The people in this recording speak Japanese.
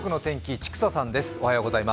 千種さんです。